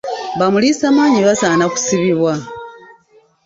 Ba muliisamaanyi basaana kusibibwa.